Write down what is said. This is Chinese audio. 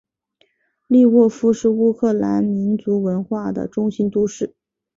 利沃夫是乌克兰民族文化的中心都市。